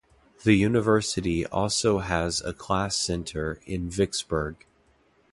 The university also has a class center in Vicksburg.